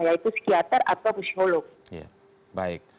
yaitu psikiater atau psikolog